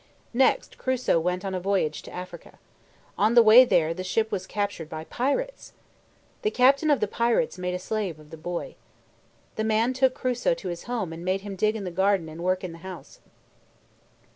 Next, Crusoe went on a voyage to Africa. On the way there the ship was captured by pirates. The captain of the pirates made a slave of the boy. The man took Crusoe to his home and made him dig in the garden and work in the house.